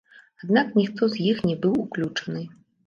Аднак ніхто з іх не быў уключаны.